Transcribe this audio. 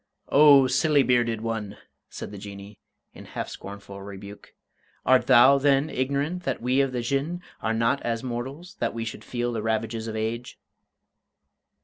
"O, silly bearded one!" said the Jinnee, in half scornful rebuke; "art thou, then, ignorant that we of the Jinn are not as mortals, that we should feel the ravages of age?"